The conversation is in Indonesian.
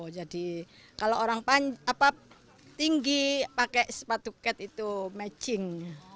jadi kalau orang tinggi pakai sepatu cat itu matching